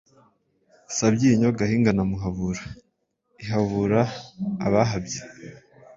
Sabyinyo, Gahinga na Muhabura ihâbuura abahabye.